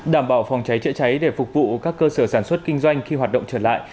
đảm bảo phòng cháy chữa cháy để phục vụ các cơ sở sản xuất kinh doanh khi hoạt động trở lại